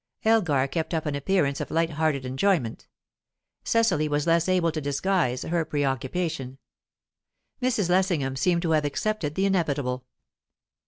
Elgar kept up an appearance of light hearted enjoyment; Cecily was less able to disguise her preoccupation. Mrs. Lessingham seemed to have accepted the inevitable.